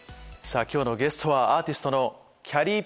今日のゲストはアーティストの。